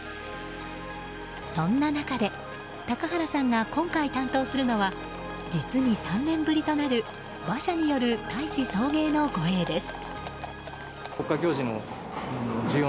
そんな中で、高原さんが今回担当するのは実に３年ぶりとなる馬車による大使送迎の護衛です。